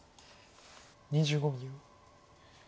２５秒。